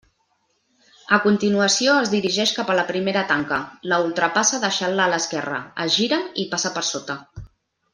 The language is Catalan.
A continuació es dirigeix cap a la primera tanca, la ultrapassa deixant-la a l'esquerra, es gira i passa per sota.